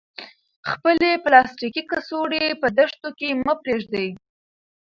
خپلې پلاستیکي کڅوړې په دښتو کې مه پریږدئ.